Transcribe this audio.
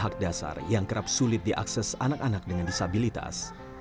sekolah yang kerap sulit diakses anak anak dengan disabilitas